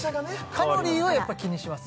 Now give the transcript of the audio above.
カロリーはやっぱり気にします？